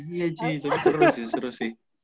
iya sih tapi seru sih